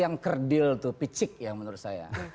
yang kerdil tuh picik yang menurut saya